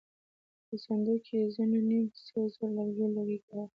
په څنډو کې يې ځېنو نيم سوزه لرګيو لوګی کوه.